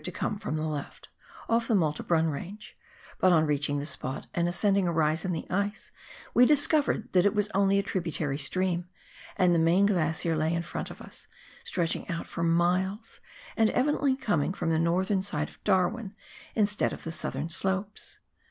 21 to come from the left, off the Malta Brun Eange, but on reaching the spot and ascending a rise in the ice, we disco vered that it was only a tributary stream, and the main glacier lay in front of us, stretching out for miles, and evidently coming from the northern side of Darwin instead of the southern slopes.